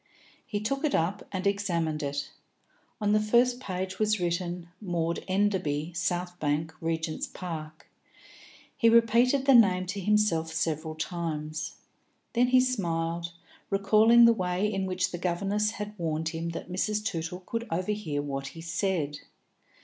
He took it up and examined it. On the first page was written "Maud Enderby, South Bank, Regent's Park." He repeated the name to himself several times. Then he smiled, recalling the way in which the governess had warned him that Mrs. Tootle could overhear what he said.